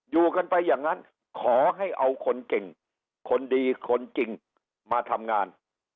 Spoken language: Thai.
อยู่กันไปอย่างนั้นขอให้เอาคนเก่งคนดีคนจริงมาทำงาน